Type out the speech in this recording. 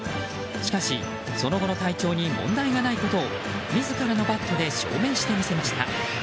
しかし、その後の体調に問題がないことを自らのバットで証明して見せました。